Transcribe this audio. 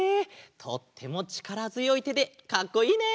とってもちからづよいてでかっこいいね！